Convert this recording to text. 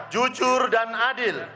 jujur dan adil